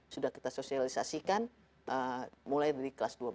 sudah kita sosialisasikan mulai dari kelas dua belas